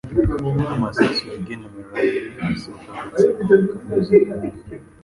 Amasasu yagenewe Riley asohora agatsiko kanyuze